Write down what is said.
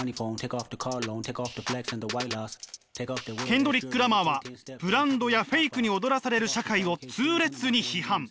ケンドリック・ラマーはブランドやフェイクに踊らされる社会を痛烈に批判！